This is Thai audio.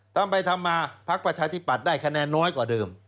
ทำไปทำมาพักประชาธิปัตย์ได้คะแนนน้อยกว่าเดิม